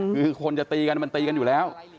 คือคนจะตีกันมันตีกันอยู่แล้ว